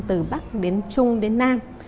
từ bắc đến trung đến nam